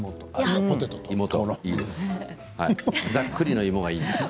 ざっくりの芋がいいです。